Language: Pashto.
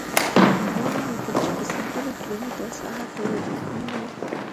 ما ولیدل چې په سلګونه کیلومتره ساحه ټوله جګړې وه